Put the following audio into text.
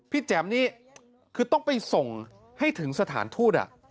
แจ๋มนี่คือต้องไปส่งให้ถึงสถานทูต